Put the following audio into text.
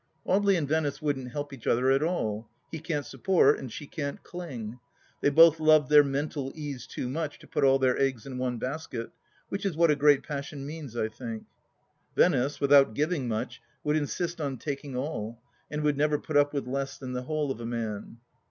Audely and Venice wouldn't help each other at all ; he can't support, and she can't cling. They both love their mental ease too much to put all their eggs in one basket, which is what a great passion means, I think. Venice, with out giving much, would insist on taking all, and would never put up with less than the whole of a man.